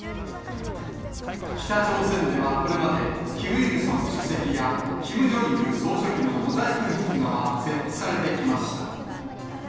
北朝鮮では、これまでキム・イルソン主席やキム・ジョンイル総書記のモザイク壁画は設置されてきました。